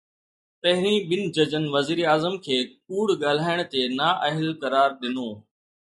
پهرين ٻن ججن وزيراعظم کي ڪوڙ ڳالهائڻ تي نااهل قرار ڏنو.